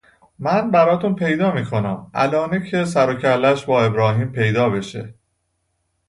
من براتون پیدا میکنم. الآنه که سروکلهشون با ابراهیم پیدا بشه